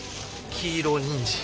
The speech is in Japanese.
黄色にんじん？